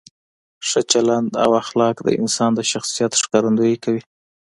ښه چلند او اخلاق د انسان د شخصیت ښکارندویي کوي.